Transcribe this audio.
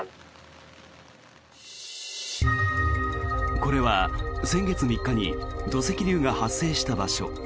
これは先月３日に土石流が発生した場所。